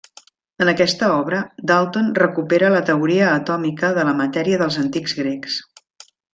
En aquesta obra, Dalton recupera la teoria atòmica de la matèria dels antics grecs.